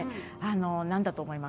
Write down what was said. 何だと思います？